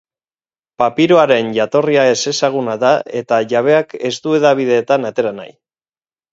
Papiroaren jatorria ezezaguna da eta jabeak ez du hedabideetan atera nahi.